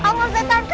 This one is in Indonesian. kamu mau sampai ke